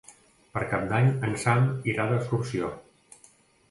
Per Cap d'Any en Sam irà d'excursió.